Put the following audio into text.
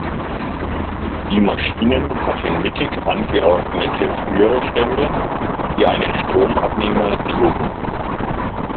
Die Maschinen hatten mittig angeordnete Führerstände, die einen Stromabnehmer trugen.